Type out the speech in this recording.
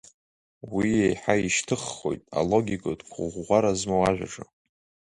Уи еиҳа ишьҭыххоит алогикатә қәыӷәӷәара змоу ажәаҿы.